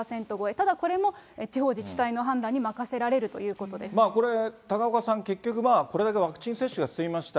ただ、これも地方自治体の判断にこれ、高岡さん結局、これだけワクチン接種が進みました。